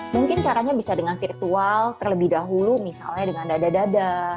mungkin caranya bisa dengan virtual terlebih dahulu misalnya dengan dada dada